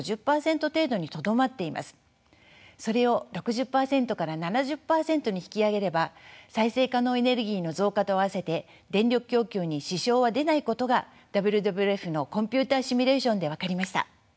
それを６０％から７０％に引き上げれば再生可能エネルギーの増加と合わせて電力供給に支障は出ないことがＷＷＦのコンピューターシミュレーションで分かりました。